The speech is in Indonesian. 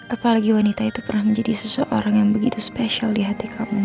apalagi wanita itu pernah menjadi seseorang yang begitu spesial di hati kamu